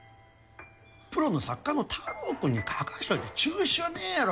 プロの作家の太郎くんに書かせといて中止はねえやろ。